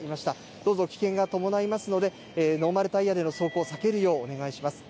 どうぞ危険が伴いますのでノーマルタイヤでの走行は避けるようにお願いします。